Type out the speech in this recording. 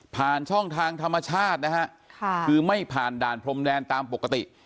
ผ่านช่องทางธรรมชาตินะฮะคือไม่ผ่านด่านพรมแดนตามปกติ